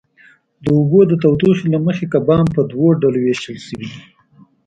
د اوبو د تودوخې له مخې کبان په دوو ډلو وېشل شوي دي.